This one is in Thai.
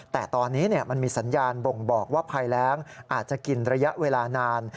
แต่ตอนนี้มันมีสัญญาณบ่งบอกว่าภัยแรงอาจจะกินระยะเวลานาน